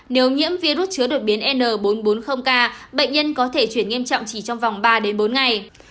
nếu nhiễm virus chứa đột biến n bốn trăm bốn mươi k bệnh nhân có thể chuyển nghiêm trọng chỉ trong vòng ba bốn ngày